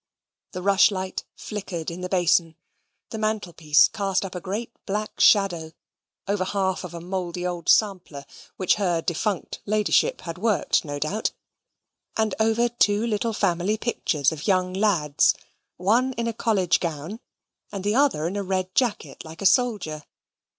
The rushlight flickered in the basin. The mantelpiece cast up a great black shadow, over half of a mouldy old sampler, which her defunct ladyship had worked, no doubt, and over two little family pictures of young lads, one in a college gown, and the other in a red jacket like a soldier.